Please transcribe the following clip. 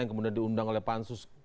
yang kemudian diundang oleh pansus